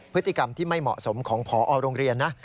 พฤติกรรมที่ไม่เหมาะสมของพอโรงเรียนนะ